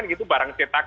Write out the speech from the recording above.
itu barang cetak